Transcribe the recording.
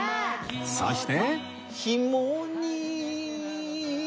そして